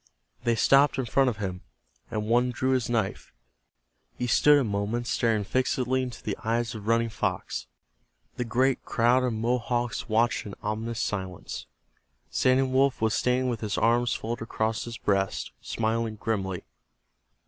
They stopped in front of him, and one drew his knife. He stood a moment staring fixedly into the eyes of Running Fox. The great crowd of Mohawks watched in ominous silence. Standing Wolf was standing with his arms folded across his breast, smiling grimly.